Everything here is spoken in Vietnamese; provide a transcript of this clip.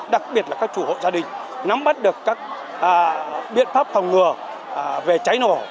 đặc biệt là các chủ hộ gia đình nắm bắt được các biện pháp phòng ngừa về cháy nổ